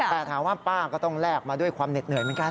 แต่ถามว่าป้าก็ต้องแลกมาด้วยความเหน็ดเหนื่อยเหมือนกัน